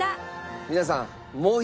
皆さん。